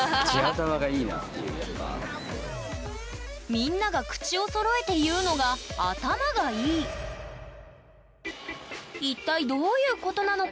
みんなが口をそろえて言うのが一体どういうことなのか。